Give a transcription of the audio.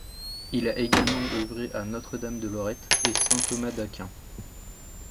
Il a également œuvré à Notre-Dame de Lorette et Saint-Thomas-d’Aquin.